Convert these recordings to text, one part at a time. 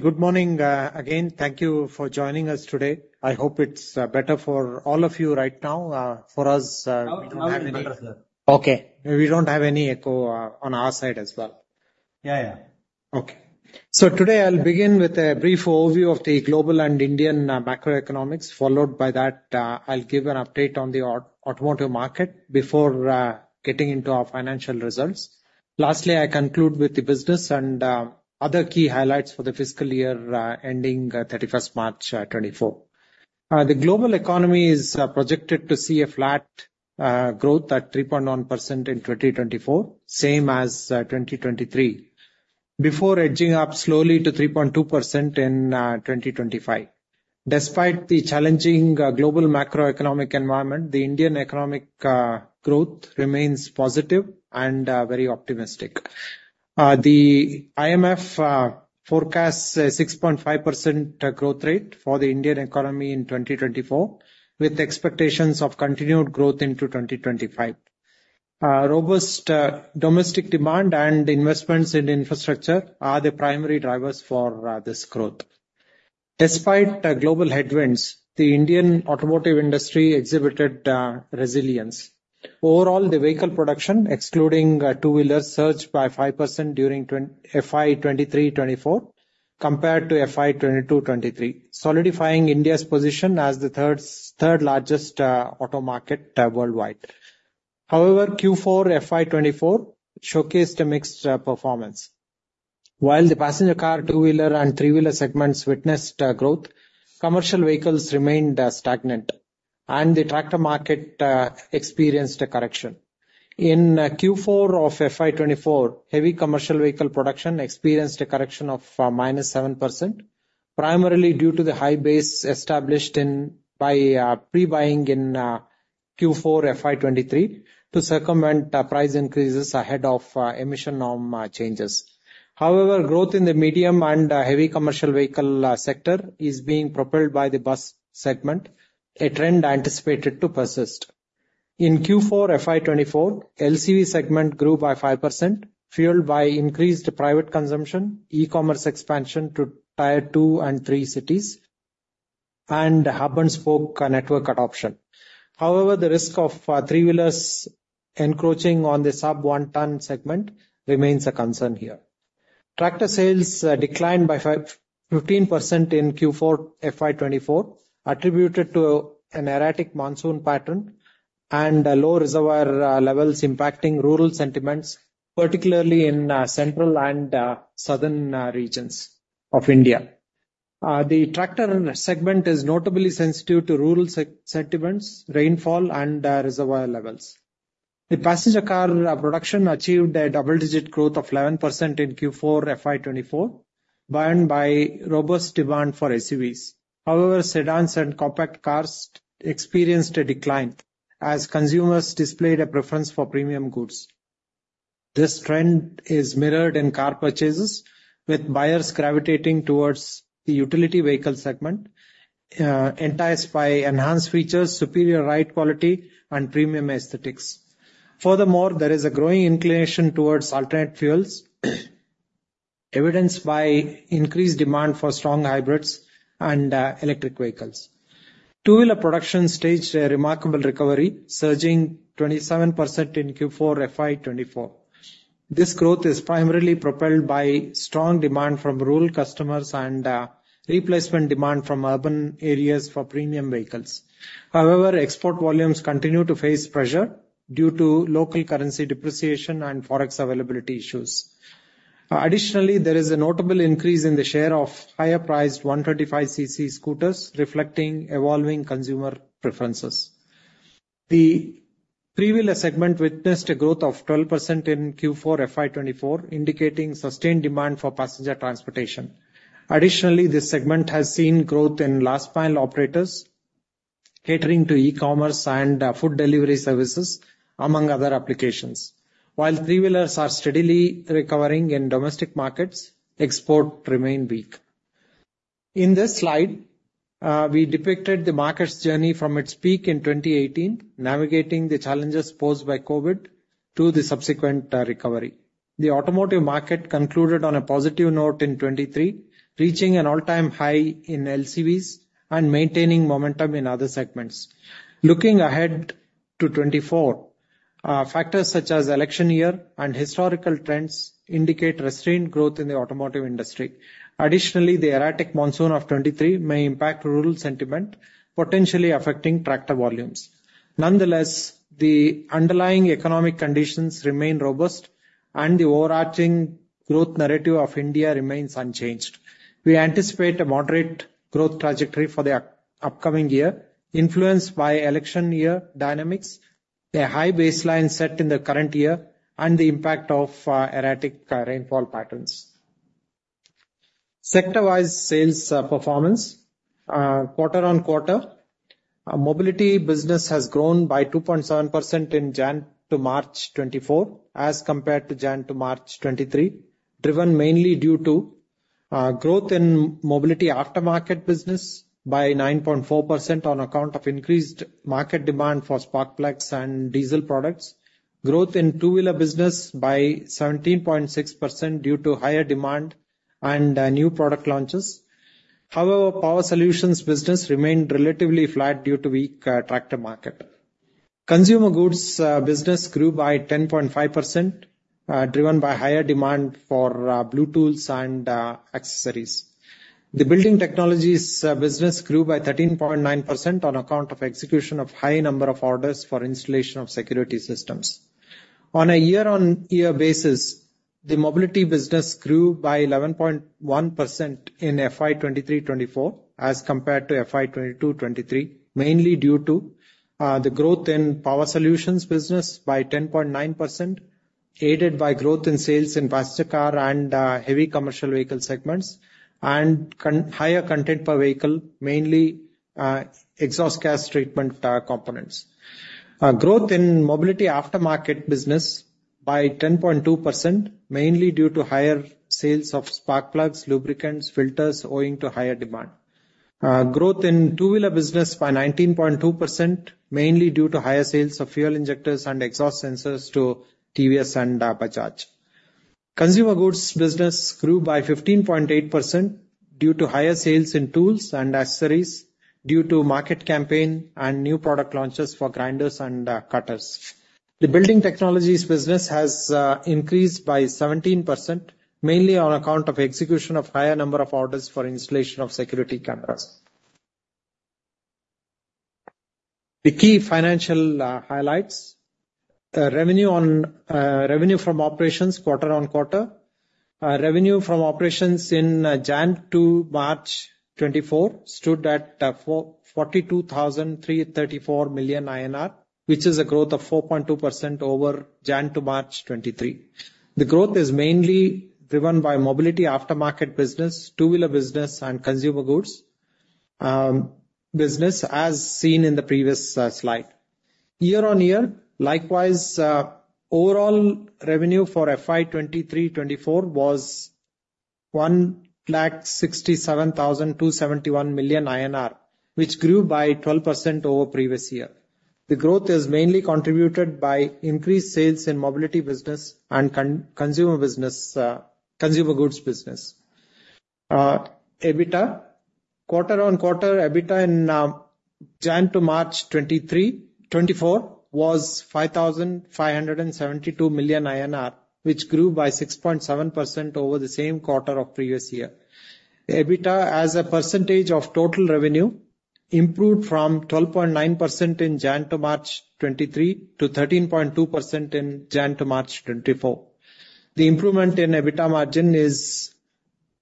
Good morning, again, thank you for joining us today. I hope it's better for all of you right now, for us. Now it better, sir. Okay. We don't have any echo on our side as well. Yeah, yeah. Okay. So today, I'll begin with a brief overview of the global and Indian macroeconomics. Followed by that, I'll give an update on the automotive market before getting into our financial results. Lastly, I conclude with the business and other key highlights for the fiscal year ending 31 March 2024. The global economy is projected to see a flat growth at 3.1% in 2024, same as 2023, before edging up slowly to 3.2% in 2025. Despite the challenging global macroeconomic environment, the Indian economic growth remains positive and very optimistic. The IMF forecasts a 6.5% growth rate for the Indian economy in 2024, with expectations of continued growth into 2025. Robust domestic demand and investments in infrastructure are the primary drivers for this growth. Despite the global headwinds, the Indian automotive industry exhibited resilience. Overall, the vehicle production, excluding two-wheelers, surged by 5% during FY 2023-2024, compared to FY 2022-2023. Solidifying India's position as the third-largest auto market worldwide. However, Q4 FY 2024 showcased a mixed performance. While the passenger car, two-wheeler, and three-wheeler segments witnessed growth, commercial vehicles remained stagnant, and the tractor market experienced a correction. In Q4 of FY 2024, heavy commercial vehicle production experienced a correction of -7%, primarily due to the high base established by pre-buying in Q4 FY 2023, to circumvent price increases ahead of emission norm changes. However, growth in the medium and heavy commercial vehicle sector is being propelled by the bus segment, a trend anticipated to persist. In Q4 FY 2024, LCV segment grew by 5%, fueled by increased private consumption, e-commerce expansion to tier two and three cities, and hub-and-spoke network adoption. However, the risk of three-wheelers encroaching on the sub-one-tonne segment remains a concern here. Tractor sales declined by 15% in Q4 FY 2024, attributed to an erratic monsoon pattern, and low reservoir levels impacting rural sentiments, particularly in central and southern regions of India. The tractor segment is notably sensitive to rural sentiments, rainfall, and reservoir levels. The passenger car production achieved a double-digit growth of 11% in Q4 FY 2024, driven by robust demand for SUVs. However, sedans and compact cars experienced a decline, as consumers displayed a preference for premium goods. This trend is mirrored in car purchases, with buyers gravitating towards the utility vehicle segment, enticed by enhanced features, superior ride quality, and premium aesthetics. Furthermore, there is a growing inclination towards alternative fuels, evidenced by increased demand for strong hybrids and, electric vehicles. Two-wheeler production staged a remarkable recovery, surging 27% in Q4 FY 2024. This growth is primarily propelled by strong demand from rural customers and, replacement demand from urban areas for premium vehicles. However, export volumes continue to face pressure due to local currency depreciation and forex availability issues. Additionally, there is a notable increase in the share of higher-priced 135 cc scooters, reflecting evolving consumer preferences. The three-wheeler segment witnessed a growth of 12% in Q4 FY 2024, indicating sustained demand for passenger transportation. Additionally, this segment has seen growth in last-mile operators, catering to e-commerce and, food delivery services, among other applications. While three-wheelers are steadily recovering in domestic markets, exports remain weak. In this slide, we depicted the market's journey from its peak in 2018, navigating the challenges posed by COVID to the subsequent, recovery. The automotive market concluded on a positive note in 2023, reaching an all-time high in LCVs and maintaining momentum in other segments. Looking ahead to 2024, factors such as election year and historical trends indicate restrained growth in the automotive industry. Additionally, the erratic monsoon of 2023 may impact rural sentiment, potentially affecting tractor volumes. Nonetheless, the underlying economic conditions remain robust, and the overarching growth narrative of India remains unchanged. We anticipate a moderate growth trajectory for the upcoming year, influenced by election year dynamics, a high baseline set in the current year, and the impact of erratic rainfall patterns. Sector-wise sales performance quarter-on-quarter, Mobility business has grown by 2.7% in January to March 2024, as compared to January to March 2023. Driven mainly due to growth in Mobility Aftermarket business by 9.4% on account of increased market demand for spark plugs and diesel products. Growth in Two-Wheeler business by 17.6% due to higher demand and new product launches. However, Power Solutions business remained relatively flat due to weak tractor market. Consumer Goods business grew by 10.5%, driven by higher demand for Blue tools and accessories. The Building Technologies business grew by 13.9% on account of execution of high number of orders for installation of security systems. On a year-on-year basis, the Mobility business grew by 11.1% in FY 2023-2024, as compared to FY 2022-2023, mainly due to the growth in Power Solutions business by 10.9%, aided by growth in sales in passenger car and heavy commercial vehicle segments, and higher content per vehicle, mainly exhaust gas treatment components. Our growth in Mobility Aftermarket business by 10.2%, mainly due to higher sales of spark plugs, lubricants, filters, owing to higher demand. Growth in Two-Wheeler business by 19.2%, mainly due to higher sales of fuel injectors and exhaust sensors to TVS and Bajaj. Consumer Goods business grew by 15.8% due to higher sales in tools and accessories due to market campaign and new product launches for grinders and cutters. The Building Technologies business has increased by 17%, mainly on account of execution of higher number of orders for installation of security cameras. The key financial highlights. Revenue from operations, quarter-on-quarter. Revenue from operations in January to March 2024 stood at 442,334 million INR, which is a growth of 4.2% over January to March 2023. The growth is mainly driven by Mobility Aftermarket business, Two-Wheeler business, and Consumer Goods business, as seen in the previous slide. Year-on-year, likewise, overall revenue for FY 2023-2024 was 167,271 million INR, which grew by 12% over previous year. The growth is mainly contributed by increased sales in Mobility business and consumer business, Consumer Goods business. EBITDA. Quarter-on-quarter, EBITDA in January to March 2023-24 was 5,572 million INR, which grew by 6.7% over the same quarter of previous year. EBITDA, as a percentage of total revenue, improved from 12.9% in January to March 2023, to 13.2% in January to March 2024. The improvement in EBITDA margin is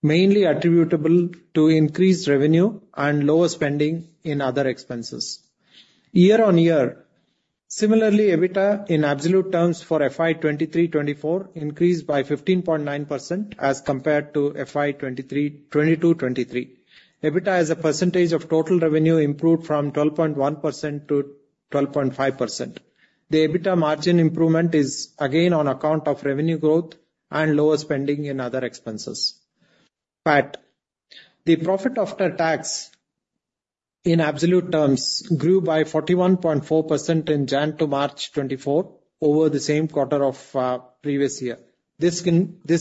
mainly attributable to increased revenue and lower spending in other expenses. Year-on-year, similarly, EBITDA, in absolute terms for FY 2023-2024, increased by 15.9% as compared to FY 2022-2023. EBITDA, as a percentage of total revenue, improved from 12.1% to 12.5%. The EBITDA margin improvement is again on account of revenue growth and lower spending in other expenses. PAT, the profit after tax, in absolute terms, grew by 41.4% in January to March 2024 over the same quarter of previous year. This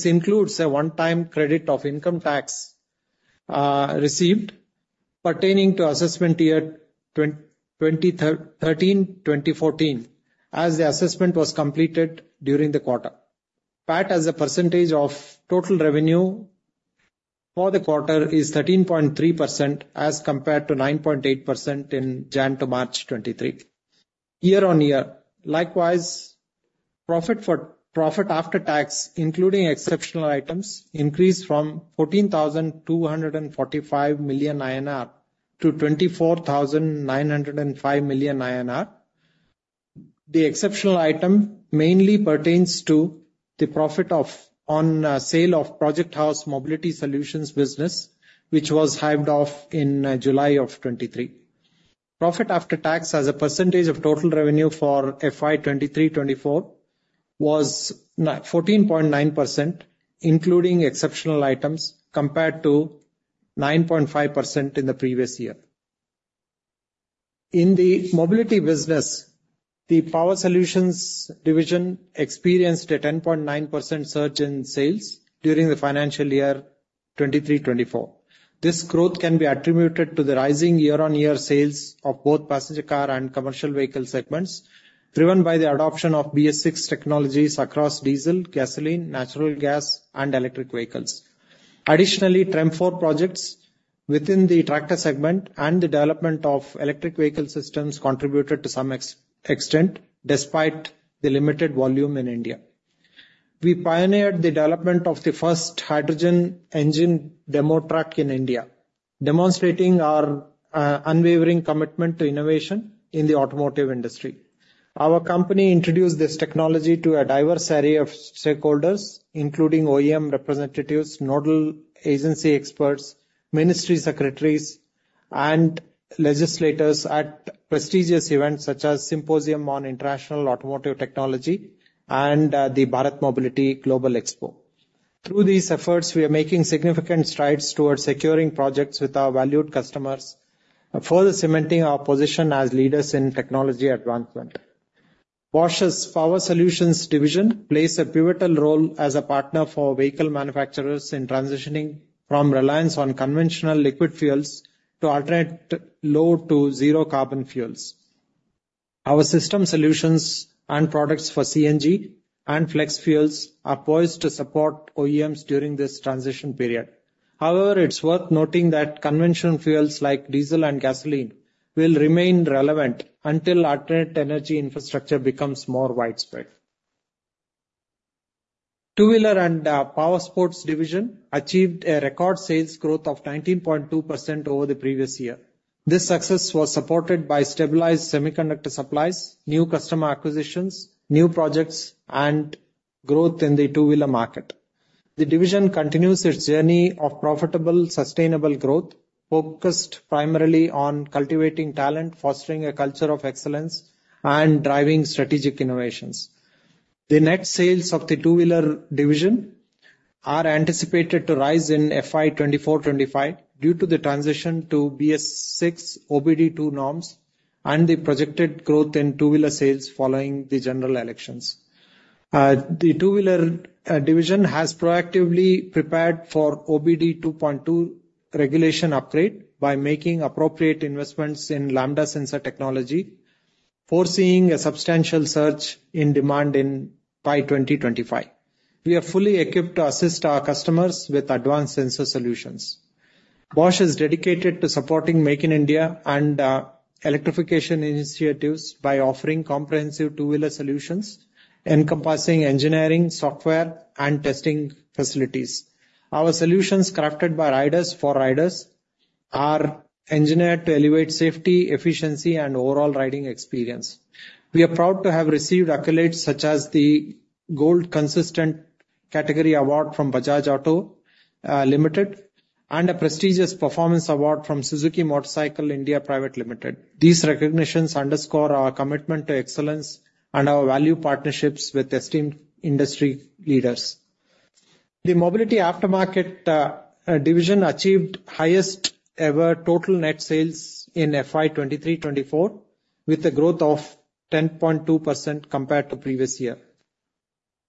includes a one-time credit of income tax received pertaining to assessment year 2013, 2014, as the assessment was completed during the quarter. PAT, as a percentage of total revenue for the quarter, is 13.3%, as compared to 9.8% in January to March 2023. Year-on-year, likewise, profit after tax, including exceptional items, increased from 14,245 million INR to 24,905 million INR. The exceptional item mainly pertains to the profit of, on, sale of Project House Mobility Solutions business, which was hived off in, July of 2023. Profit after tax, as a percentage of total revenue for FY 2023-2024, was fourteen point nine percent, including exceptional items, compared to nine point five percent in the previous year. In the Mobility business, the power solutions division experienced a ten point nine percent surge in sales during the financial year 2023-24. This growth can be attributed to the rising year-on-year sales of both passenger car and commercial vehicle segments, driven by the adoption of BSVI technologies across diesel, gasoline, natural gas and electric vehicles. Additionally, TREM IV projects within the tractor segment and the development of electric vehicle systems contributed to some extent, despite the limited volume in India. We pioneered the development of the first hydrogen engine demo truck in India, demonstrating our unwavering commitment to innovation in the automotive industry. Our company introduced this technology to a diverse array of stakeholders, including OEM representatives, nodal agency experts, ministry secretaries, and legislators at prestigious events such as Symposium on International Automotive Technology and the Bharat Mobility Global Expo. Through these efforts, we are making significant strides towards securing projects with our valued customers, further cementing our position as leaders in technology advancement. Bosch's Power Solutions division plays a pivotal role as a partner for vehicle manufacturers in transitioning from reliance on conventional liquid fuels to alternate low to zero carbon fuels. Our system solutions and products for CNG and flex fuels are poised to support OEMs during this transition period. However, it's worth noting that conventional fuels like diesel and gasoline will remain relevant until alternate energy infrastructure becomes more widespread. Two-wheeler and Powersports division achieved a record sales growth of 19.2% over the previous year. This success was supported by stabilized semiconductor supplies, new customer acquisitions, new projects, and growth in the two-wheeler market. The division continues its journey of profitable, sustainable growth, focused primarily on cultivating talent, fostering a culture of excellence, and driving strategic innovations. The net sales of the Two Wheeler division are anticipated to rise in FY 2024-2025, due to the transition to BS6 OBD2 norms and the projected growth in two-wheeler sales following the general elections. The two-wheeler division has proactively prepared for OBD 2.2 regulation upgrade by making appropriate investments in lambda sensor technology, foreseeing a substantial surge in demand in by 2025. We are fully equipped to assist our customers with advanced sensor solutions. Bosch is dedicated to supporting Make in India and electrification initiatives by offering comprehensive two-wheeler solutions, encompassing engineering, software, and testing facilities. Our solutions, crafted by riders for riders, are engineered to elevate safety, efficiency, and overall riding experience. We are proud to have received accolades such as the Gold Consistent Category Award from Bajaj Auto Limited and a prestigious performance award from Suzuki Motorcycle India Private Limited. These recognitions underscore our commitment to excellence and our value partnerships with esteemed industry leaders. The Mobility Aftermarket division achieved highest ever total net sales in FY 2023-2024, with a growth of 10.2% compared to previous year.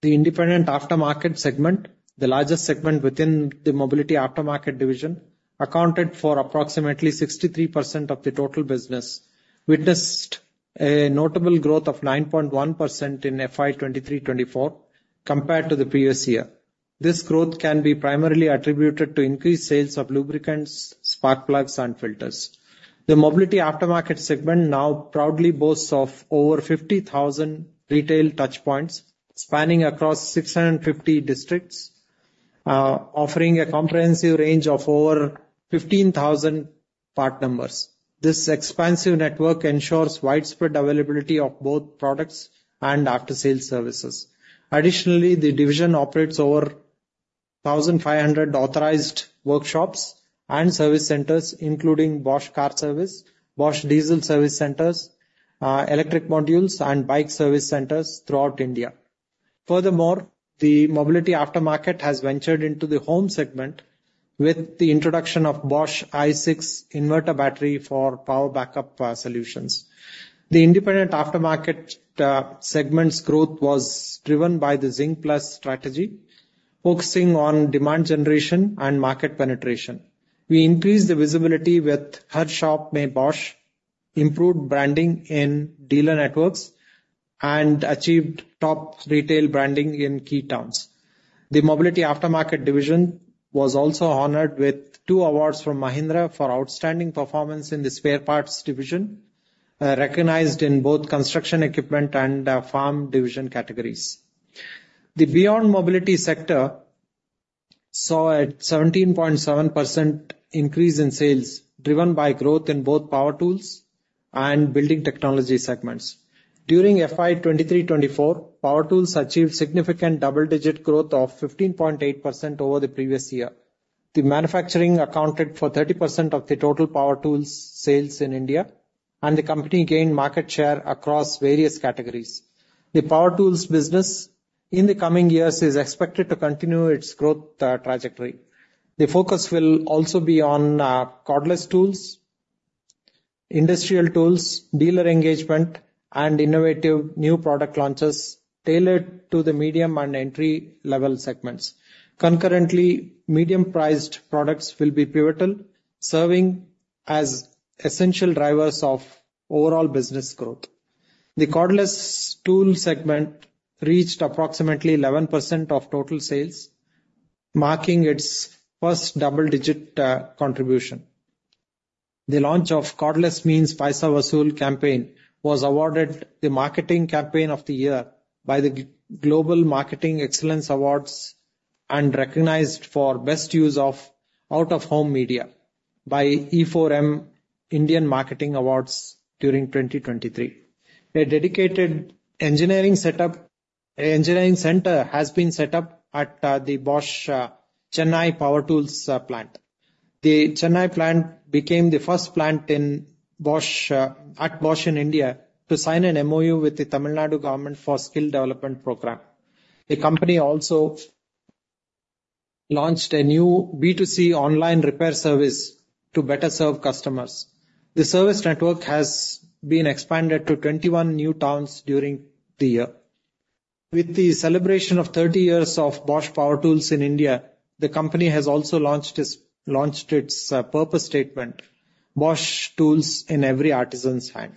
The Independent Aftermarket segment, the largest segment within the Mobility Aftermarket division, accounted for approximately 63% of the total business, witnessed a notable growth of 9.1% in FY 2023-2024, compared to the previous year. This growth can be primarily attributed to increased sales of lubricants, spark plugs, and filters. The Mobility Aftermarket segment now proudly boasts of over 50,000 retail touchpoints spanning across 650 districts, offering a comprehensive range of over 15,000 part numbers. This expansive network ensures widespread availability of both products and after-sales services. Additionally, the division operates over 1,500 authorized workshops and service centers, including Bosch Car Service, Bosch Diesel Service Centers, electric modules, and bike service centers throughout India. Furthermore, the Mobility Aftermarket has ventured into the home segment with the introduction of Bosch i6 inverter battery for power backup solutions. The Independent Aftermarket segment's growth was driven by the ZINC+ strategy, focusing on demand generation and market penetration. We increased the visibility with Har Shop Mein Bosch, improved branding in dealer networks, and achieved top retail branding in key towns. The Mobility Aftermarket division was also honored with two awards from Mahindra for outstanding performance in the spare parts division, recognized in both construction equipment and farm division categories. The Beyond Mobility sector saw a 17.7% increase in sales, driven by growth in both power tools and building technology segments. During FY 2023-2024, power tools achieved significant double-digit growth of 15.8% over the previous year. The manufacturing accounted for 30% of the total power tools sales in India, and the company gained market share across various categories. The power tools business in the coming years is expected to continue its growth trajectory. The focus will also be on cordless tools, industrial tools, dealer engagement, and innovative new product launches tailored to the medium and entry-level segments. Concurrently, medium-priced products will be pivotal, serving as essential drivers of overall business growth. The cordless tools segment reached approximately 11% of total sales, marking its first double-digit contribution. The launch of Cordless Means Paisa Vasool campaign was awarded the marketing campaign of the year by the Global Marketing Excellence Awards, and recognized for best use of out-of-home media by E4M Indian Marketing Awards during 2023. A dedicated engineering center has been set up at the Bosch Chennai Power Tools plant. The Chennai plant became the first plant in Bosch at Bosch in India to sign an MoU with the Tamil Nadu government for skill development program. The company also launched a new B2C online repair service to better serve customers. The service network has been expanded to 21 new towns during the year. With the celebration of 30 years of Bosch Power Tools in India, the company has also launched its, launched its, purpose statement, Bosch Tools in Every Artisan's Hand.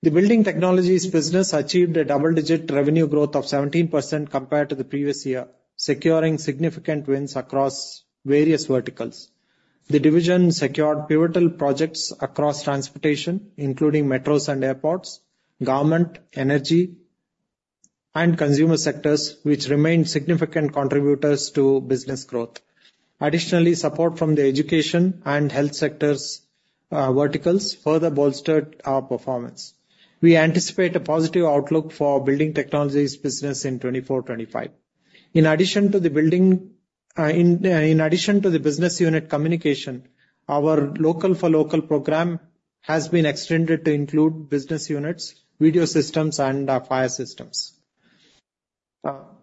The Building Technologies business achieved a double-digit revenue growth of 17% compared to the previous year, securing significant wins across various verticals. The division secured pivotal projects across transportation, including metros and airports, government, energy, and consumer sectors, which remained significant contributors to business growth. Additionally, support from the education and health sectors, verticals, further bolstered our performance. We anticipate a positive outlook for Building Technologies business in 2024-2025. In addition to the building, in addition to the business unit communication, our Local for Local program has been extended to include business units, Video Systems, and Fire Systems.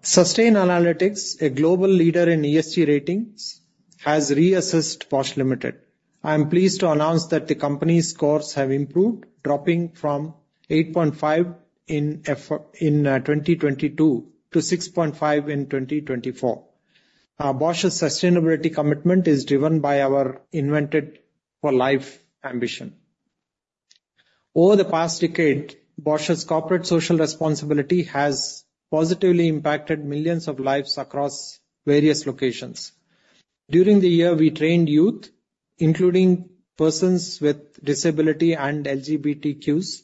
Sustainalytics, a global leader in ESG ratings, has reassessed Bosch Limited. I am pleased to announce that the company's scores have improved, dropping from 8.5 in 2022, to 6.5 in 2024. Bosch's sustainability commitment is driven by our Invented for Life ambition. Over the past decade, Bosch's corporate social responsibility has positively impacted millions of lives across various locations. During the year, we trained youth, including persons with disability and LGBTQs,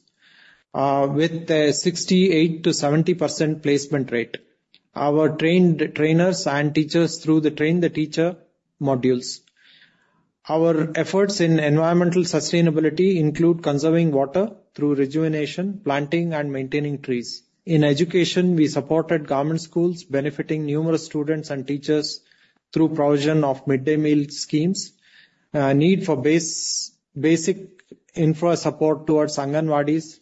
with a 68%-70% placement rate. Our trained trainers and teachers through the Train the Teacher modules. Our efforts in environmental sustainability include conserving water through rejuvenation, planting, and maintaining trees. In education, we supported government schools, benefiting numerous students and teachers through provision of Midday Meal schemes, need for basic infra support towards Anganwadis,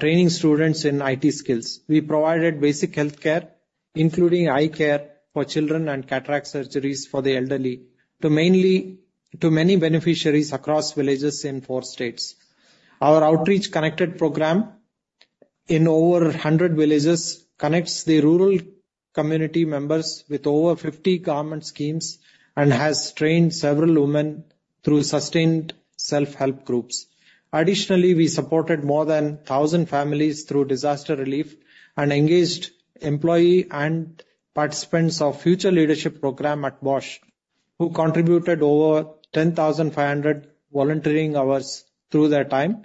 training students in IT skills. We provided basic healthcare, including eye care for children and cataract surgeries for the elderly, to many beneficiaries across villages in four states. Our outreach connected program in over 100 villages connects the rural community members with over 50 government schemes, and has trained several women through sustained self-help groups. Additionally, we supported more than 1,000 families through disaster relief, and engaged employee and participants of Future Leadership Program at Bosch, who contributed over 10,500 volunteering hours through their time,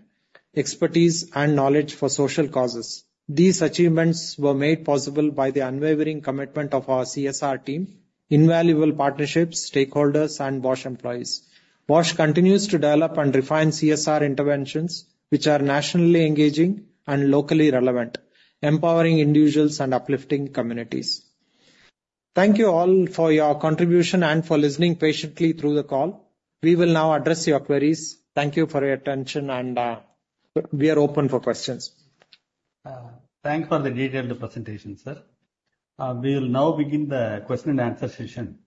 expertise, and knowledge for social causes. These achievements were made possible by the unwavering commitment of our CSR team, invaluable partnerships, stakeholders, and Bosch employees. Bosch continues to develop and refine CSR interventions, which are nationally engaging and locally relevant, empowering individuals and uplifting communities. Thank you all for your contribution and for listening patiently through the call. We will now address your queries. Thank you for your attention, and, we are open for questions. Thanks for the detailed presentation, sir. We will now begin the question and answer session.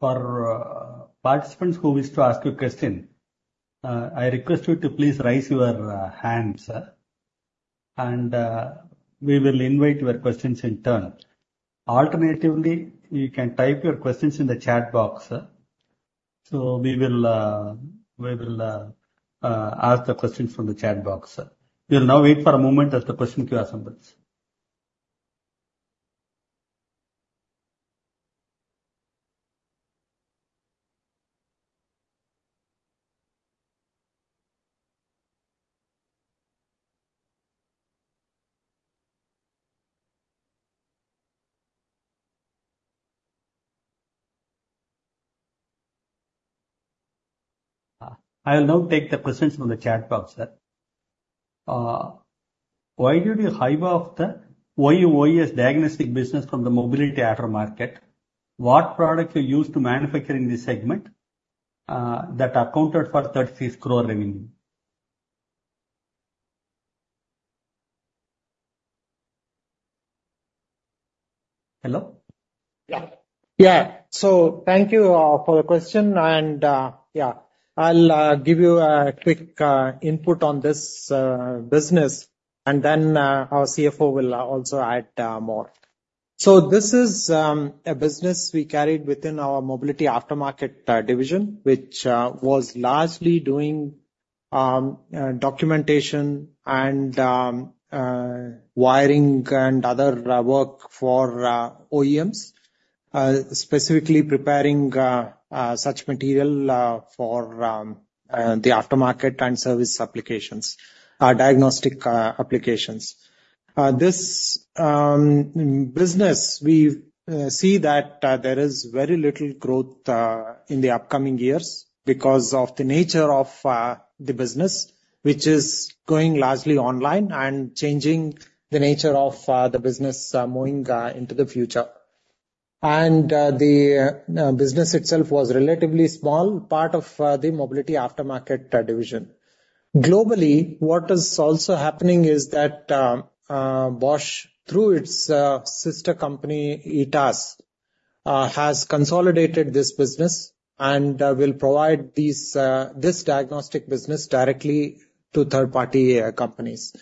For participants who wish to ask a question, I request you to please raise your hands, and we will invite your questions in turn. Alternatively, you can type your questions in the chat box, so we will ask the questions from the chat box, sir. We will now wait for a moment as the question queue assembles. I will now take the questions from the chat box, sir. Why did you hive off the OEM diagnostic business from the mobility aftermarket? What products you use to manufacture in this segment, that accounted for 33 crore revenue? Hello? Yeah. Yeah. So thank you for the question, and yeah, I'll give you a quick input on this business, and then our CFO will also add more. So this is a business we carried within our mobility aftermarket division, which was largely doing documentation and wiring and other work for OEMs, specifically preparing such material for the aftermarket and service applications, diagnostic applications. This business, we see that there is very little growth in the upcoming years because of the nature of the business, which is going largely online and changing the nature of the business, moving into the future. The business itself was a relatively small part of the mobility aftermarket division. Globally, what is also happening is that Bosch, through its sister company, ETAS, has consolidated this business and will provide these this diagnostic business directly to third-party companies.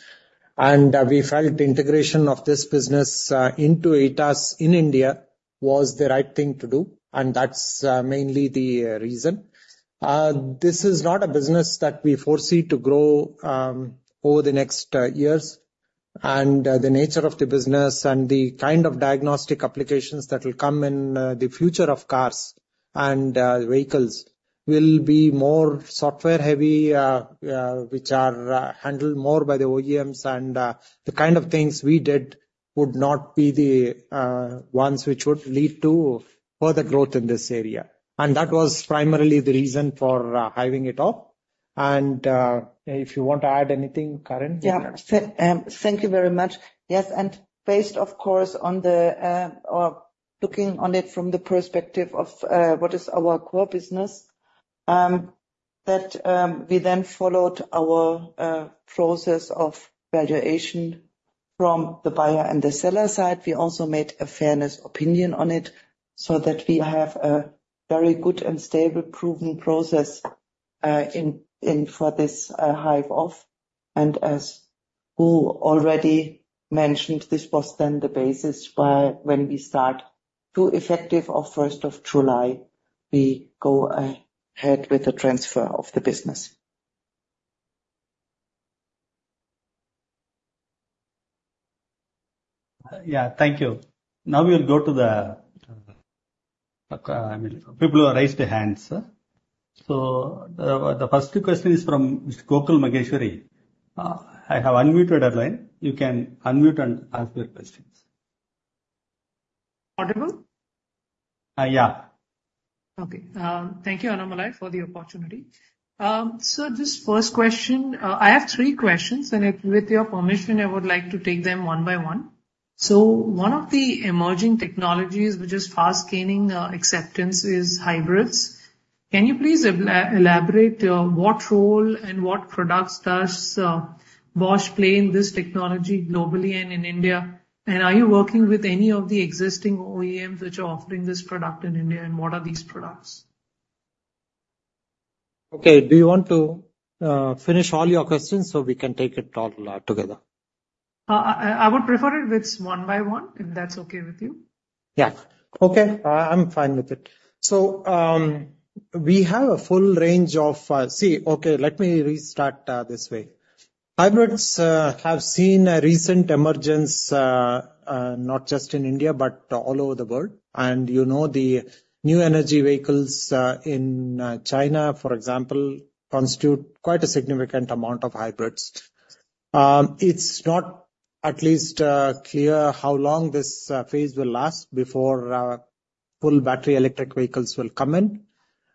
We felt integration of this business into ETAS in India was the right thing to do, and that's mainly the reason. This is not a business that we foresee to grow over the next years. The nature of the business and the kind of diagnostic applications that will come in the future of cars and vehicles will be more software-heavy, which are handled more by the OEMs. The kind of things we did would not be the ones which would lead to further growth in this area, and that was primarily the reason for hiving it off. If you want to add anything, Karin? Yeah. Thank you very much. Yes, and based, of course, on the looking on it from the perspective of what is our core business, that we then followed our process of valuation from the buyer and the seller side. We also made a fairness opinion on it so that we have a very good and stable proven process in for this hive off. And as Guru already mentioned, this was then the basis why when we start to effective of first of July, we go ahead with the transfer of the business. Yeah. Thank you. Now we will go to the, I mean, people who have raised their hands. So the first question is from Mr. Gokul Maheshwari. I have unmuted your line. You can unmute and ask your questions. Audible? Uh, yeah. Okay. Thank you, Annamalai, for the opportunity. So just first question, I have three questions, and with, with your permission, I would like to take them one by one. So one of the emerging technologies, which is fast gaining acceptance, is hybrids. Can you please elaborate what role and what products does Bosch play in this technology globally and in India? And are you working with any of the existing OEMs which are offering this product in India, and what are these products? Okay. Do you want to finish all your questions so we can take it all together? I would prefer it with one by one, if that's okay with you. Yeah. Okay. I'm fine with it. So, we have a full range of... See, okay, let me restart this way. Hybrids have seen a recent emergence, not just in India, but all over the world. And, you know, the new energy vehicles in China, for example, constitute quite a significant amount of hybrids. It's not at least clear how long this phase will last before full battery electric vehicles will come in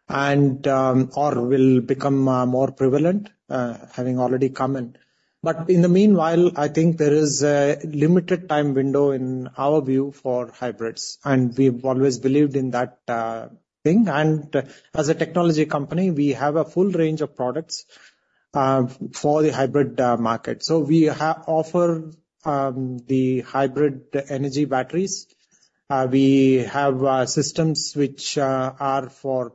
and or will become more prevalent, having already come in. But in the meanwhile, I think there is a limited time window, in our view, for hybrids, and we've always believed in that thing. And as a technology company, we have a full range of products for the hybrid market. So we offer the hybrid energy batteries. We have systems which are for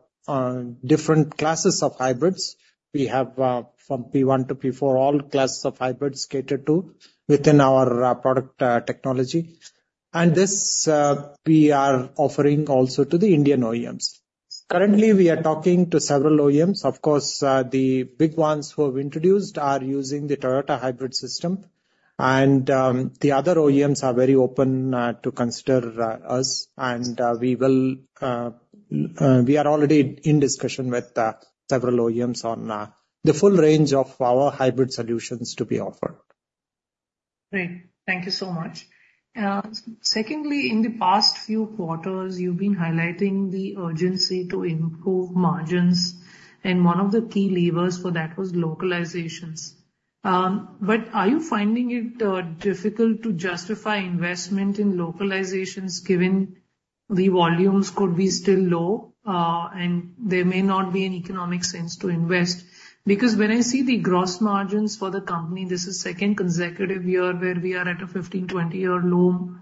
different classes of hybrids. We have from P1 to P4, all classes of hybrids catered to within our product technology. And this, we are offering also to the Indian OEMs. Currently, we are talking to several OEMs. Of course, the big ones who have introduced are using the Toyota hybrid system, and the other OEMs are very open to consider us. And we are already in discussion with several OEMs on the full range of our hybrid solutions to be offered. Great. Thank you so much. Secondly, in the past few quarters, you've been highlighting the urgency to improve margins, and one of the key levers for that was localizations. But are you finding it difficult to justify investment in localizations, given the volumes could be still low, and there may not be an economic sense to invest? Because when I see the gross margins for the company, this is second consecutive year where we are at a 15-20-year low,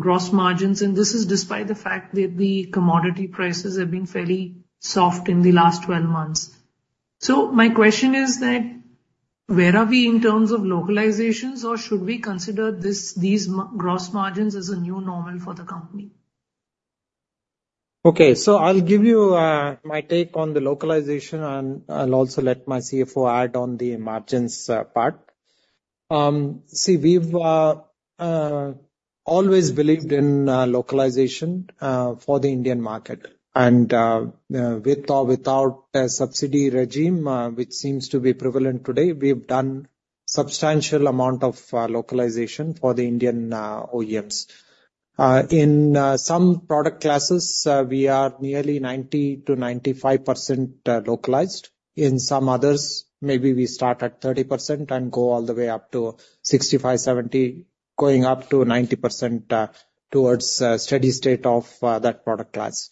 gross margins, and this is despite the fact that the commodity prices have been fairly soft in the last 12 months. So my question is that: where are we in terms of localizations, or should we consider this, these gross margins as a new normal for the company? Okay. So I'll give you my take on the localization, and I'll also let my CFO add on the margins, part. See, we've always believed in localization for the Indian market, and with or without a subsidy regime, which seems to be prevalent today, we've done substantial amount of localization for the Indian OEMs. In some product classes, we are nearly 90%-95% localized. In some others, maybe we start at 30% and go all the way up to 65, 70, going up to 90% towards steady state of that product class.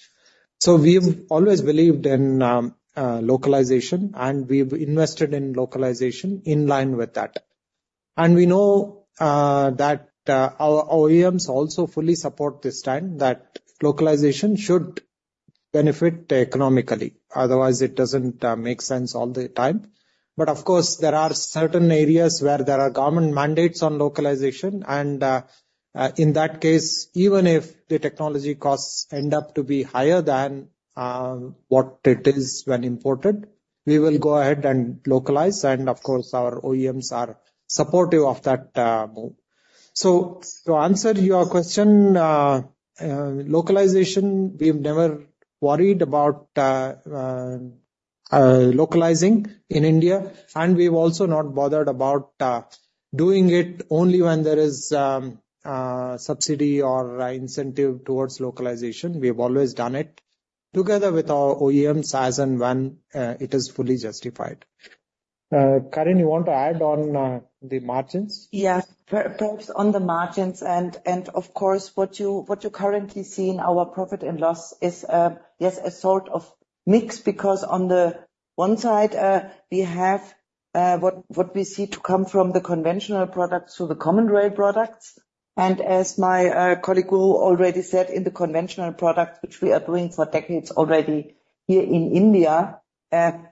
So we've always believed in localization, and we've invested in localization in line with that. And we know that our OEMs also fully support this stand, that localization should benefit economically, otherwise it doesn't make sense all the time. But of course, there are certain areas where there are government mandates on localization, and in that case, even if the technology costs end up to be higher than what it is when imported, we will go ahead and localize, and of course, our OEMs are supportive of that move. So, to answer your question, localization, we've never worried about localizing in India, and we've also not bothered about doing it only when there is subsidy or incentive towards localization. We have always done it together with our OEMs, as and when it is fully justified. Karin, you want to add on the margins? Yes. Perhaps on the margins and, of course, what you're currently seeing, our profit and loss is a sort of mix, because on the one side, we have what we see to come from the conventional products to the common rail products. And as my colleague already said in the conventional products, which we are doing for decades already here in India,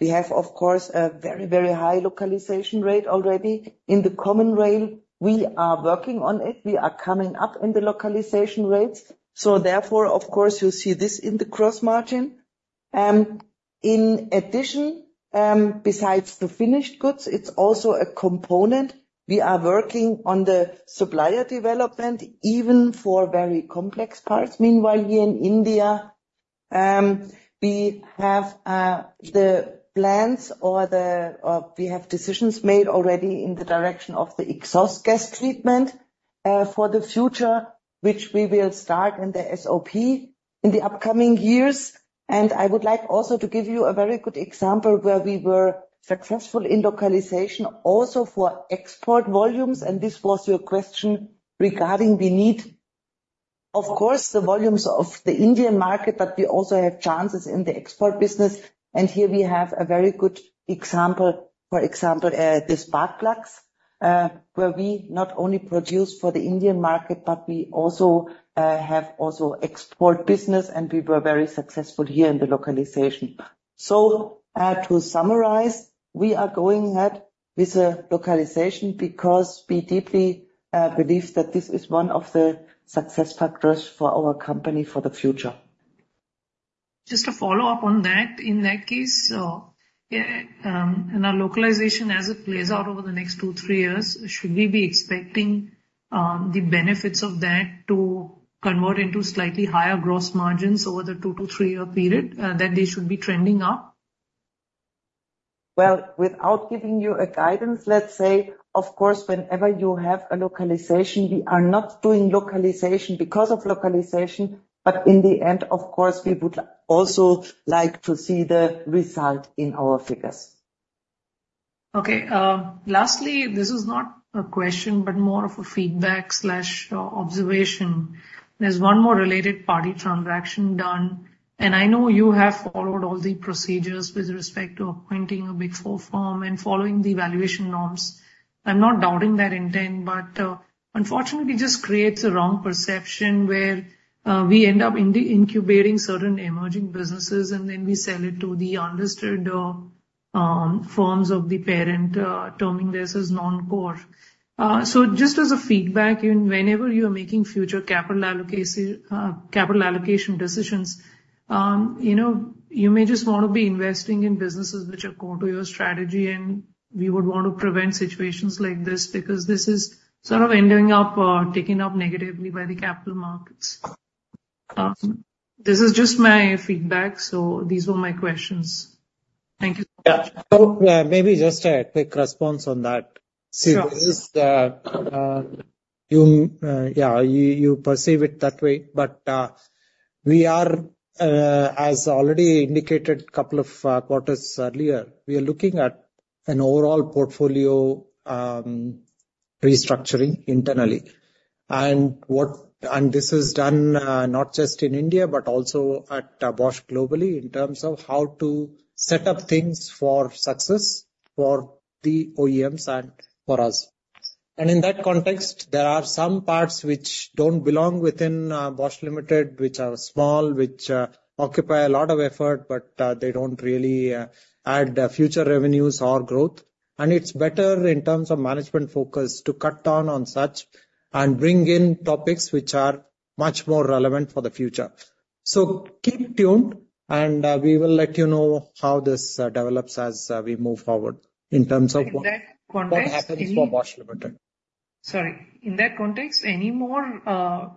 we have, of course, a very, very high localization rate already. In the common rail, we are working on it. We are coming up in the localization rates, so therefore, of course, you see this in the gross margin. In addition, besides the finished goods, it's also a component. We are working on the supplier development, even for very complex parts. Meanwhile, here in India, we have decisions made already in the direction of the exhaust gas treatment for the future, which we will start in the SOP in the upcoming years. I would like also to give you a very good example where we were successful in localization also for export volumes, and this was your question regarding the need. Of course, the volumes of the Indian market, but we also have chances in the export business, and here we have a very good example. For example, the spark plugs, where we not only produce for the Indian market, but we also have also export business, and we were very successful here in the localization. To summarize, we are going ahead with the localization because we deeply believe that this is one of the success factors for our company for the future. Just to follow up on that, in that case, in our localization as it plays out over the next two, three years, should we be expecting the benefits of that to convert into slightly higher gross margins over the two to three-year period? That they should be trending up? Well, without giving you a guidance, let's say, of course, whenever you have a localization, we are not doing localization because of localization, but in the end, of course, we would also like to see the result in our figures. Okay, lastly, this is not a question, but more of a feedback slash observation. There's one more related party transaction done, and I know you have followed all the procedures with respect to appointing a big four firm and following the valuation norms. I'm not doubting that intent, but unfortunately, it just creates a wrong perception, where we end up incubating certain emerging businesses, and then we sell it to the subsidiary firms of the parent, terming this as non-core. So just as a feedback, whenever you are making future capital allocation decisions, you know, you may just want to be investing in businesses which are core to your strategy, and we would want to prevent situations like this, because this is sort of ending up taken up negatively by the capital markets. This is just my feedback, so these were my questions. Thank you. Yeah. So, maybe just a quick response on that. Sure. See, this is, yeah, you perceive it that way, but we are, as already indicated couple of quarters earlier, we are looking at an overall portfolio restructuring internally. And this is done, not just in India, but also at Bosch globally, in terms of how to set up things for success for the OEMs and for us. And in that context, there are some parts which don't belong within Bosch Limited, which are small, which occupy a lot of effort, but they don't really add future revenues or growth. And it's better in terms of management focus, to cut down on such and bring in topics which are much more relevant for the future. Keep tuned, and we will let you know how this develops as we move forward in terms of- In that context, any- What happens for Bosch Limited? Sorry. In that context, any more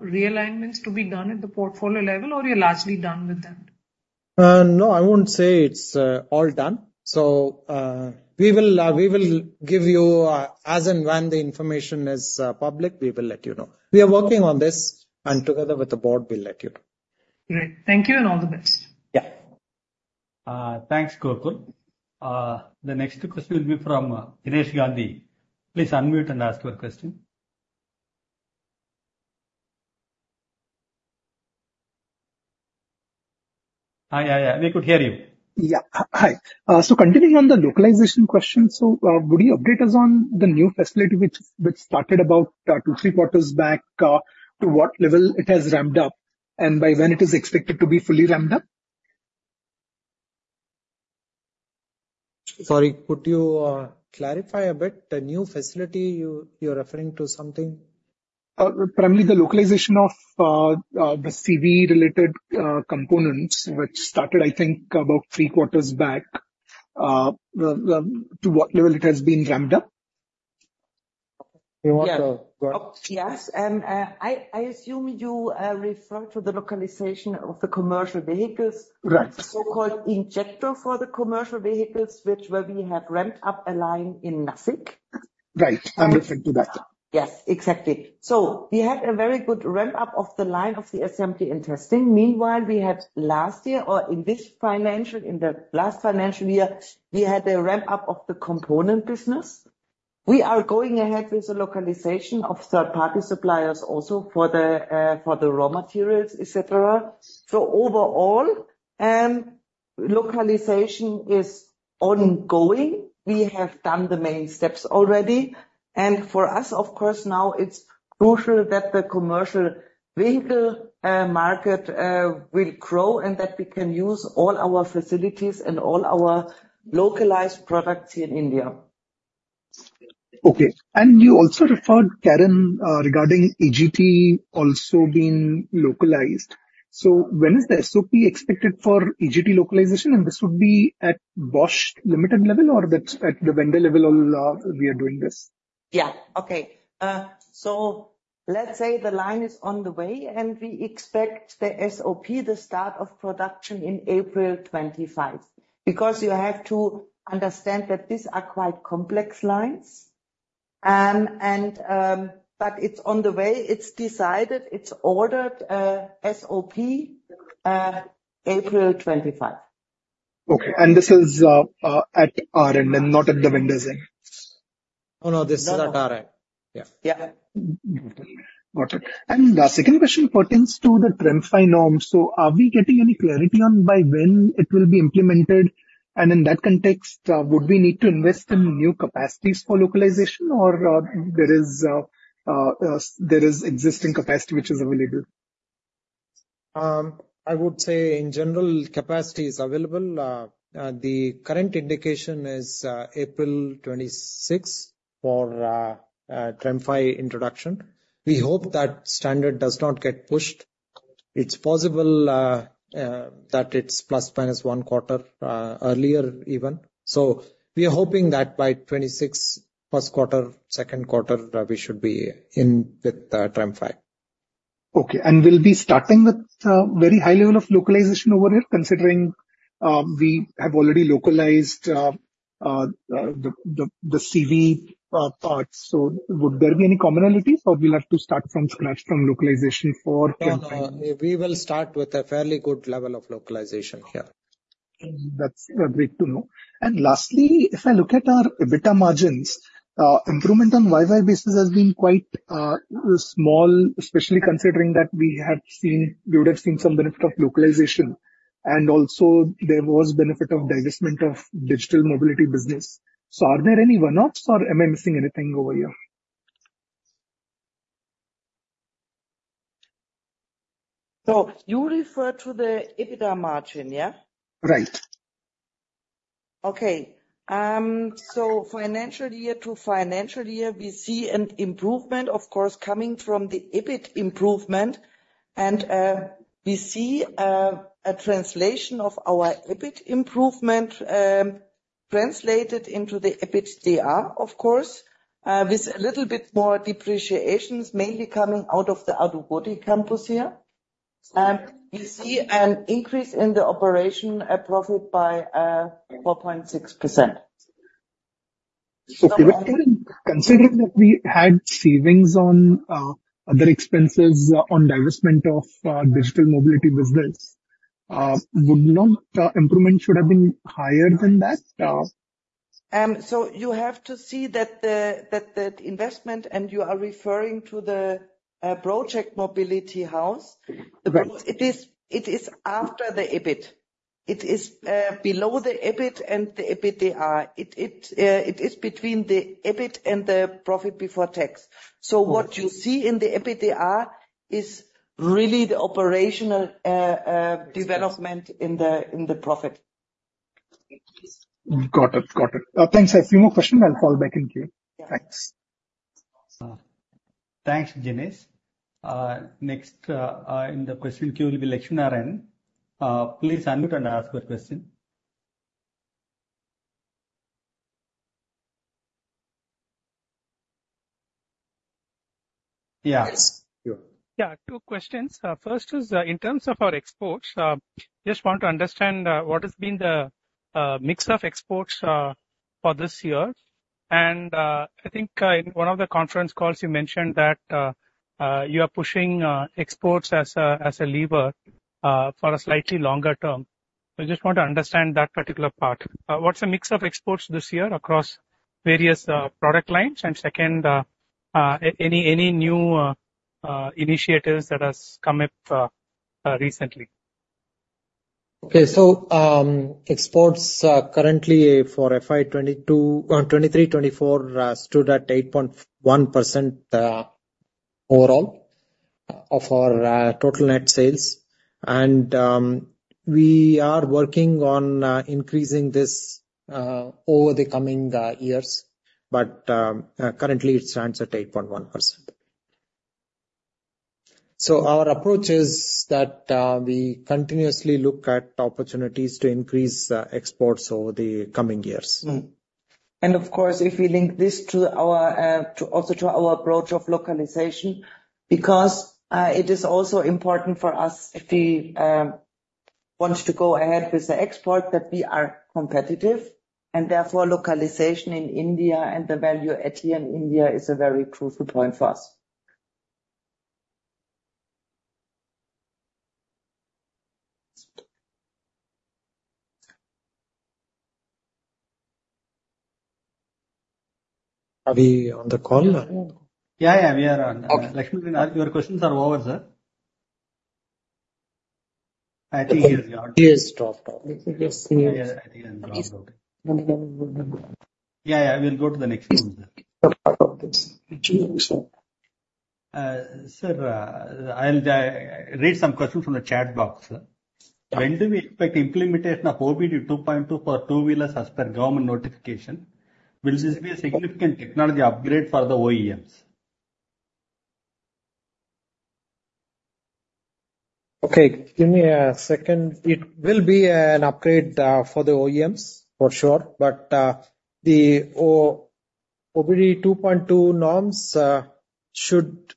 realignments to be done at the portfolio level, or you're largely done with that? No, I wouldn't say it's all done. So, we will give you, as and when the information is public, we will let you know. We are working on this, and together with the board, we'll let you know. Great. Thank you, and all the best. Yeah. Thanks, Gokul. The next question will be from Jinesh Gandhi. Please unmute and ask your question. Yeah, yeah, yeah, we could hear you. Yeah. Hi. So continuing on the localization question, would you update us on the new facility which started about 2-3 quarters back, to what level it has ramped up and by when it is expected to be fully ramped up? Sorry, could you clarify a bit? The new facility you, you're referring to something? Primarily the localization of the CV-related components, which started, I think, about three quarters back. To what level has it been ramped up? You want to- Yes. And, I assume you refer to the localization of the commercial vehicles. Right. So-called injector for the commercial vehicles, where we have ramped up a line in Nashik. Right. I'm referring to that. Yes, exactly. So we had a very good ramp-up of the line of the assembly and testing. Meanwhile, we had last year, or in this financial... In the last financial year, we had a ramp-up of the component business. We are going ahead with the localization of third-party suppliers also for the, for the raw materials, et cetera. So overall, localization is ongoing. We have done the main steps already, and for us, of course, now it's crucial that the commercial vehicle, market, will grow and that we can use all our facilities and all our localized products here in India. Okay. And you also referred, Karin, regarding EGT also being localized. So when is the SOP expected for EGT localization? And this would be at Bosch Limited level, or that's at the vendor level, we are doing this? Yeah. Okay. So let's say the line is on the way, and we expect the SOP, the start of production, in April 2025. Because you have to understand that these are quite complex lines, but it's on the way. It's decided, it's ordered, SOP, April 2025. Okay. This is at our end and not at the vendor's end? Oh, no, this is at our end. Yeah. Yeah. Got it. And the second question pertains to the TREM V norms. So are we getting any clarity on by when it will be implemented? And in that context, would we need to invest in new capacities for localization or, there is existing capacity which is available? I would say in general, capacity is available. The current indication is April 2026 for TREM V introduction. We hope that standard does not get pushed. It's possible that it's ±1 quarter earlier even. So we are hoping that by 2026, first quarter, second quarter, we should be in with TREM V. Okay. And we'll be starting with very high level of localization over here, considering we have already localized the CV parts. So would there be any commonalities, or we'll have to start from scratch from localization for TREM V? No, we will start with a fairly good level of localization here. That's great to know. And lastly, if I look at our EBITDA margins, improvement on YY basis has been quite small, especially considering that we have seen- we would have seen some benefit of localization, and also there was benefit of divestment of digital Mobility business. So are there any one-offs or am I missing anything over here? You refer to the EBITDA margin, yeah? Right. Okay. So financial year to financial year, we see an improvement, of course, coming from the EBIT improvement, and we see a translation of our EBIT improvement, translated into the EBITDA, of course, with a little bit more depreciations, mainly coming out of the Adugodi campus here. You see an increase in the operating profit by 4.6%. Considering that we had savings on other expenses on divestment of digital Mobility business, would not the improvement should have been higher than that? So you have to see that the investment, and you are referring to the Project House Mobility Solutions. Right. It is after the EBIT. It is below the EBIT and the EBITDR. It is between the EBIT and the profit before tax. Okay. So what you see in the EBITDA is really the operational development in the profit. Got it. Got it. Thanks. I have a few more questions. I'll call back in queue. Yeah. Thanks. Thanks, Ganesh. Next, in the question queue will be Lakshminarayanan. Please unmute and ask your question. Yes, you. Yeah, two questions. First is, in terms of our exports, just want to understand what has been the mix of exports for this year. And, I think, in one of the conference calls, you mentioned that you are pushing exports as a lever for a slightly longer term. I just want to understand that particular part. What's the mix of exports this year across various product lines? And second, any new initiatives that has come up recently? Okay. So, exports, currently for FY 2022, 2023, 2024, stood at 8.1%, overall of our total net sales. And we are working on increasing this over the coming years, but currently, it stands at 8.1%. So our approach is that we continuously look at opportunities to increase exports over the coming years. Of course, if we link this to our approach of localization, because it is also important for us, if we want to go ahead with the export, that we are competitive, and therefore, localization in India and the value added in India is a very crucial point for us. Are we on the call? Yeah, yeah, we are on. Okay. Lakshminarayanan, your questions are over, sir. I think he has gone. He has dropped off. I think he has, yes. Yeah, I think he has dropped off. Yeah, yeah, we'll go to the next one, sir. Sir, I'll read some questions from the chat box, sir. When do we expect implementation of OBD 2.2 for two-wheelers, as per government notification? Will this be a significant technology upgrade for the OEMs? Okay, give me a second. It will be an upgrade for the OEMs, for sure, but the OBD 2.2 norms should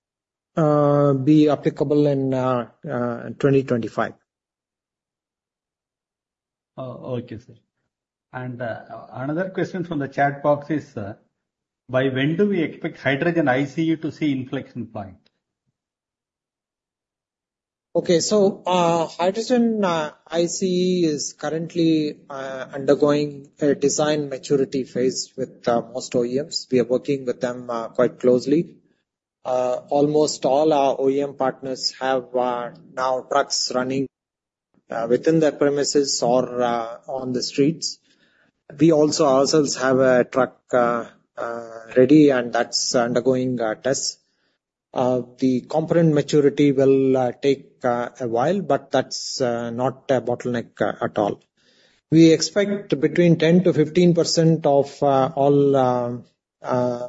be applicable in 2025. Okay, sir. And, another question from the chat box is: By when do we expect Hydrogen ICE to see inflection point? Okay, so, hydrogen ICE is currently undergoing a design maturity phase with most OEMs. We are working with them quite closely. Almost all our OEM partners have now trucks running within their premises or on the streets. We also ourselves have a truck ready, and that's undergoing tests. The component maturity will take a while, but that's not a bottleneck at all. We expect between 10%-15% of all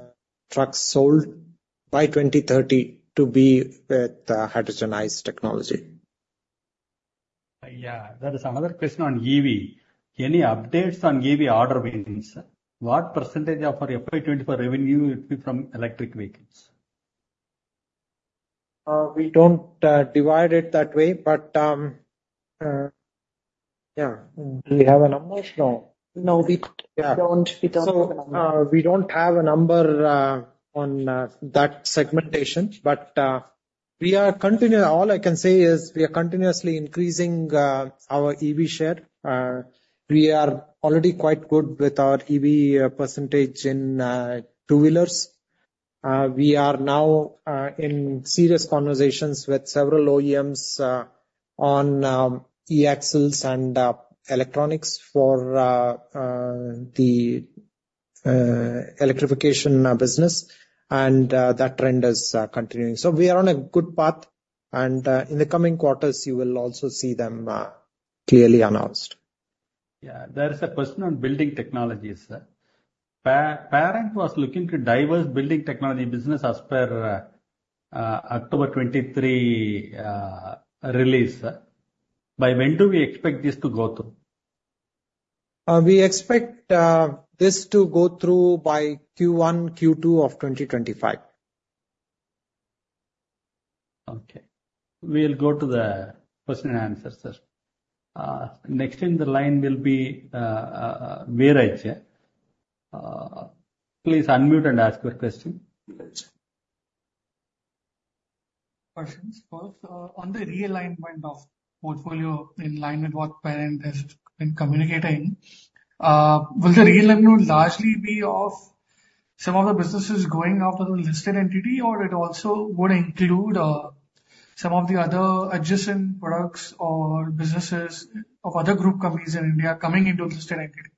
trucks sold by 2030 to be with hydrogen ICE technology. Yeah. There is another question on EV. Any updates on EV order wins, sir? What percentage of our FY 2024 revenue will be from electric vehicles? We don't divide it that way, but yeah. Do we have a number? No. No, we don't. We don't have a number. So, we don't have a number on that segmentation, but we are continuing... All I can say is, we are continuously increasing our EV share. We are already quite good with our EV percentage in two-wheelers. We are now in serious conversations with several OEMs on E-axles and the electrification business. And that trend is continuing. So we are on a good path, and in the coming quarters, you will also see them clearly announced. Yeah. There is a question on building technologies, sir. Parent was looking to divest building technology business as per October 2023 release. By when do we expect this to go through? We expect this to go through by Q1, Q2 of 2025. Okay. We'll go to the question and answers, sir. Next in the line will be Viraj, please unmute and ask your question. Questions. First, on the realignment of portfolio, in line with what parent has been communicating, will the realignment largely be of some of the businesses going out of the listed entity, or it also would include, some of the other adjacent products or businesses of other group companies in India coming into listed entity?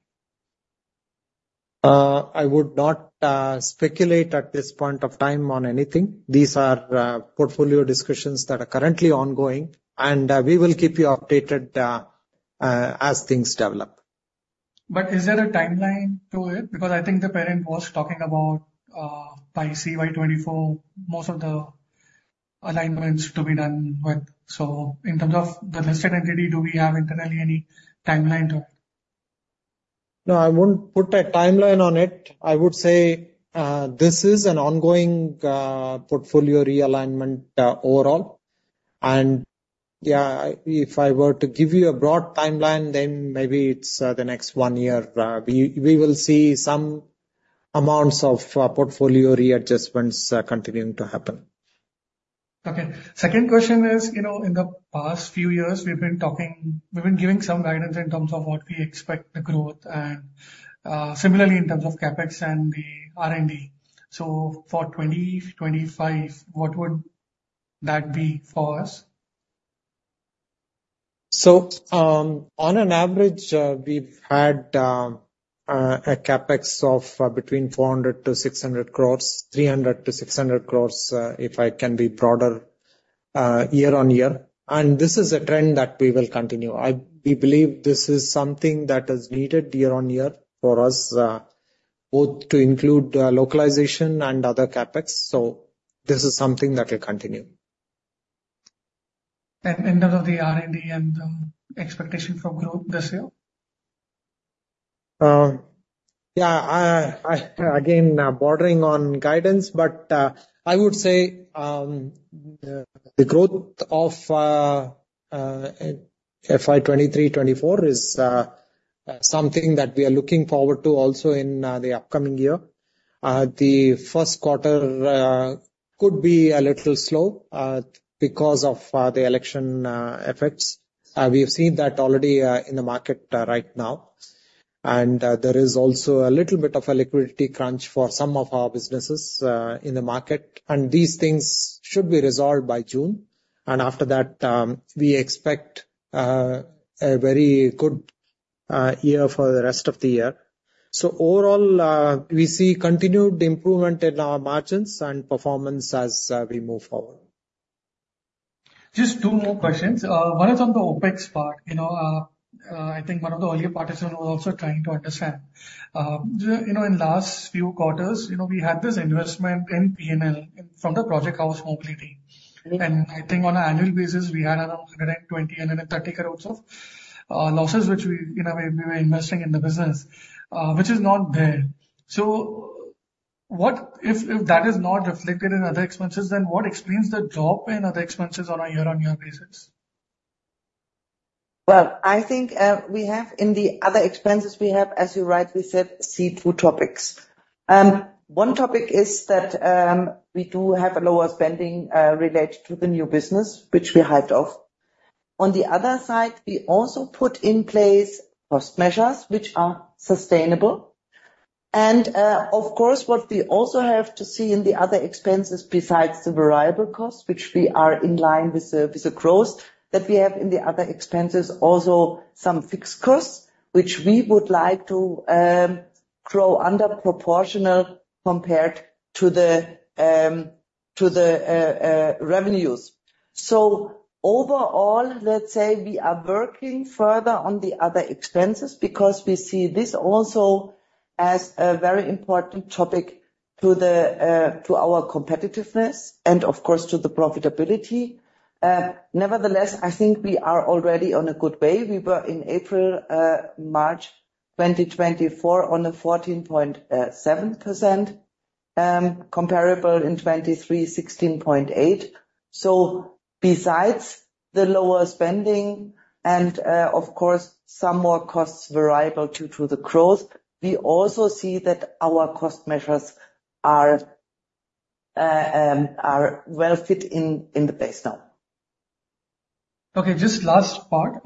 I would not speculate at this point of time on anything. These are portfolio discussions that are currently ongoing, and we will keep you updated as things develop. But is there a timeline to it? Because I think the parent was talking about by CY 2024, most of the alignments to be done with. So in terms of the listed entity, do we have internally any timeline to...? No, I won't put a timeline on it. I would say, this is an ongoing, portfolio realignment, overall. And yeah, if I were to give you a broad timeline, then maybe it's, the next one year, we will see some amounts of, portfolio readjustments, continuing to happen. Okay, second question is, you know, in the past few years, we've been talking, we've been giving some guidance in terms of what we expect the growth and, similarly in terms of CapEx and the R&D. So for 2025, what would that be for us? So, on average, we've had a CapEx of between 400-600 crore, 300-600 crore, if I can be broader, year-on-year, and this is a trend that we will continue. We believe this is something that is needed year-on-year for us, both to include localization and other CapEx. So this is something that will continue. In terms of the R&D and expectation for growth this year? Yeah, I again bordering on guidance, but I would say the growth of FY 2023-2024 is something that we are looking forward to also in the upcoming year. The first quarter could be a little slow because of the election effects. We have seen that already in the market right now. There is also a little bit of a liquidity crunch for some of our businesses in the market, and these things should be resolved by June, and after that we expect a very good year for the rest of the year. So overall, we see continued improvement in our margins and performance as we move forward. Just two more questions. One is on the OpEx part. You know, I think one of the earlier participants was also trying to understand. You know, in last few quarters, you know, we had this investment in P&L from the Project House Mobility Solutions. And I think on an annual basis, we had around 120-130 crores of losses, which we, you know, we were investing in the business, which is not there. So what - if that is not reflected in other expenses, then what explains the drop in other expenses on a year-on-year basis? Well, I think, we have in the other expenses, we have, as you rightly said, see two topics. One topic is that, we do have a lower spending, related to the new business, which we hived off. On the other side, we also put in place cost measures, which are sustainable. And, of course, what we also have to see in the other expenses, besides the variable costs, which we are in line with the, with the growth, that we have in the other expenses, also some fixed costs, which we would like to, grow under proportional compared to the, to the, revenues. So overall, let's say we are working further on the other expenses because we see this also as a very important topic to the, to our competitiveness and of course, to the profitability. Nevertheless, I think we are already on a good way. We were in March 2024, on a 14.7%, comparable in 2023, 16.8%. So besides the lower spending and, of course, some more costs variable due to the growth, we also see that our cost measures are well fit in the base now. Okay, just last part.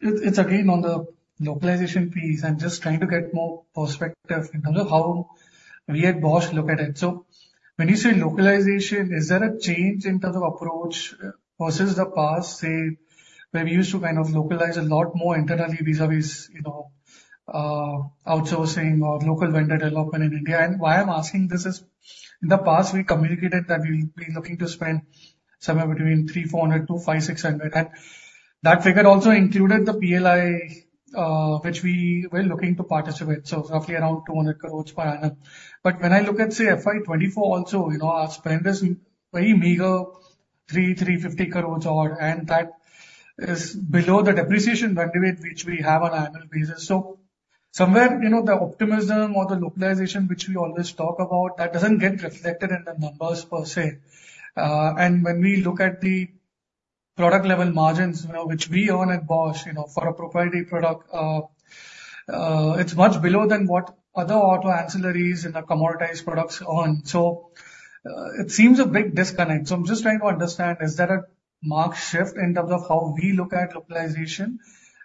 It's again on the localization piece. I'm just trying to get more perspective in terms of how we at Bosch look at it. So when you say localization, is there a change in terms of approach versus the past, say, where we used to kind of localize a lot more internally vis-a-vis, you know, outsourcing or local vendor development in India? And why I'm asking this is, in the past, we communicated that we will be looking to spend somewhere between 300-400 to 500-600, and that figure also included the PLI, which we were looking to participate, so roughly around 200 crore per annum. But when I look at, say, FY 2024 also, you know, our spend is very meager, 300-350 crores or. That is below the depreciation run rate, which we have on annual basis. So somewhere, you know, the optimism or the localization which we always talk about, that doesn't get reflected in the numbers per se. And when we look at the product level margins, you know, which we own at Bosch, you know, for a proprietary product, it's much below than what other auto ancillaries in the commoditized products own. So, it seems a big disconnect. So I'm just trying to understand, is there a marked shift in terms of how we look at localization?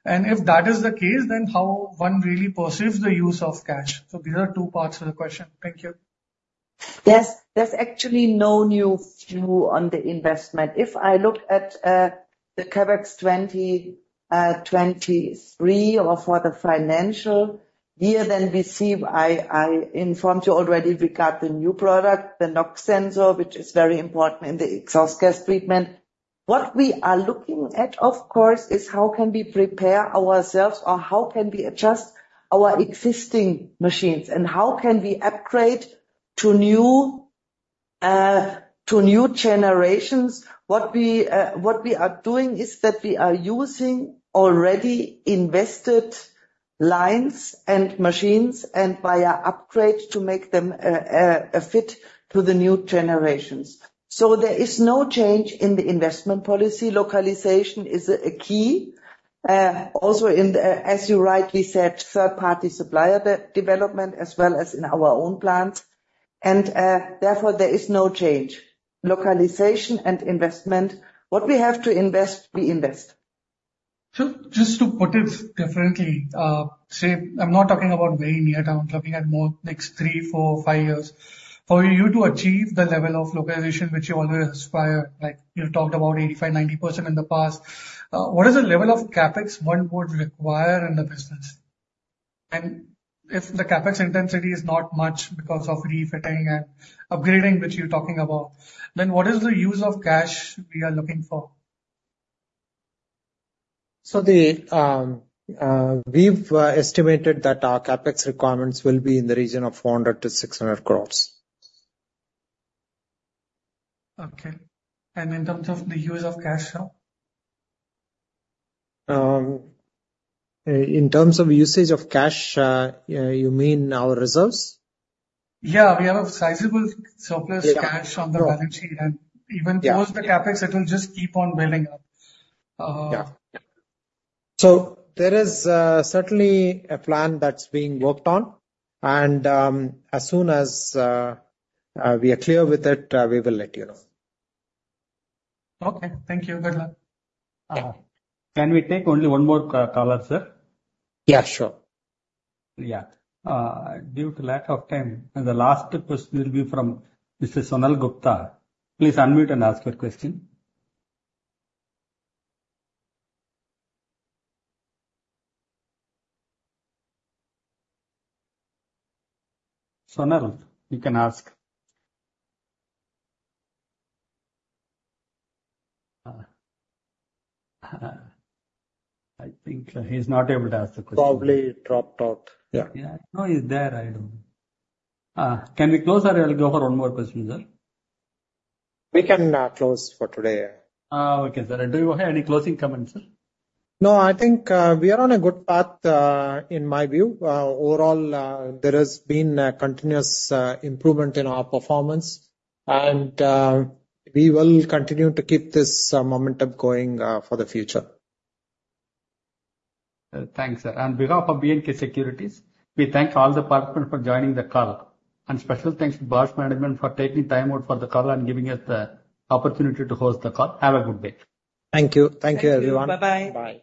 And if that is the case, then how one really perceives the use of cash. So these are two parts of the question. Thank you. There's actually no new view on the investment. If I look at the CapEx for 2023 or for the financial year, then we see I informed you already, we got the new product, the NOx sensor, which is very important in the exhaust gas treatment. What we are looking at, of course, is how can we prepare ourselves or how can we adjust our existing machines, and how can we upgrade to new to new generations? What we are doing is that we are using already invested lines and machines and via upgrade to make them a fit to the new generations. So there is no change in the investment policy. Localization is key also in the, as you rightly said, third-party supplier development, as well as in our own plant. Therefore, there is no change. Localization and investment, what we have to invest, we invest. So just to put it differently, say, I'm not talking about very near term, looking at more next 3, 4, 5 years. For you to achieve the level of localization which you always aspire, like, you talked about 85%, 90% in the past, what is the level of CapEx one would require in the business? And if the CapEx intensity is not much because of refitting and upgrading, which you're talking about, then what is the use of cash we are looking for? We've estimated that our CapEx requirements will be in the region of 400-600 crores. Okay. In terms of the use of cash flow? In terms of usage of cash, you mean our reserves? Yeah. We have a sizable surplus cash- Yeah. On the balance sheet, and even- Yeah. Towards the CapEx, it will just keep on building up. Yeah. So there is certainly a plan that's being worked on, and as soon as we are clear with it, we will let you know. Okay. Thank you. Good luck. Yeah. Can we take only one more caller, sir? Yeah, sure. Yeah. Due to lack of time, and the last question will be from Mr. Sonal Gupta. Please unmute and ask your question. Sonal, you can ask. I think he's not able to ask the question. Probably he dropped out. Yeah. Yeah. No, he's there, I know. Can we close, or I'll go for one more question, sir? We can close for today. Ah, okay, sir. Do you have any closing comments, sir? No, I think, we are on a good path, in my view. Overall, there has been a continuous improvement in our performance, and, we will continue to keep this momentum going, for the future. Thanks, sir. On behalf of B&K Securities, we thank all the participants for joining the call. Special thanks to Bosch management for taking time out for the call and giving us the opportunity to host the call. Have a good day. Thank you. Thank you, everyone. Thank you. Bye-bye. Bye.